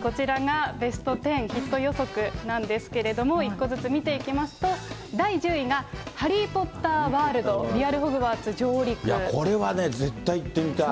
こちらがベスト１０、ヒット予測なんですけれども、１個ずつ見ていきますと、第１０位がハリー・ポッターワールド、これはね、絶対行ってみたい。